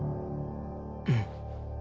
うん。